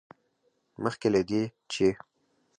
مخکې له دې، چې